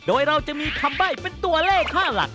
โดยเราจะมีคำใบ้เป็นตัวเลขค่าหลัก